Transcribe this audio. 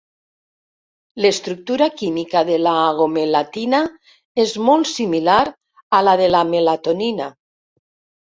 L'estructura química de la agomelatina és molt similar a la de la melatonina.